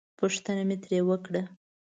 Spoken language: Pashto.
پوښتنه مې ترې وکړه.